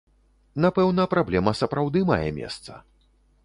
Напэўна, праблема сапраўды мае месца.